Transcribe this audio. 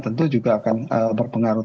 tentu juga akan berpengaruh